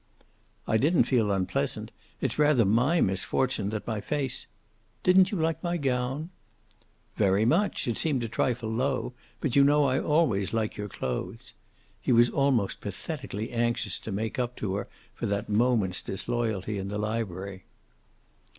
"I didn't feel unpleasant. It's rather my misfortune that my face " "Didn't you like my gown?" "Very much. It seemed a trifle low, but you know I always like your clothes." He was almost pathetically anxious to make up to her for that moment's disloyalty in the library.